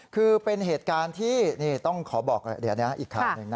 คือเป็นเหตุการณ์ที่ต้องขอบอกเดี๋ยวนี้อีกข่าวหนึ่งนะ